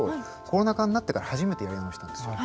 コロナ禍になってから初めてやり直したんですよ。